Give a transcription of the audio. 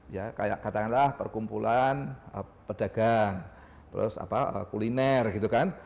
ya kayak katakanlah perkumpulan pedagang terus apa kuliner gitu kan